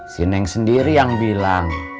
si neng sendiri yang bilang